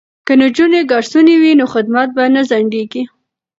که نجونې ګارسونې وي نو خدمت به نه ځنډیږي.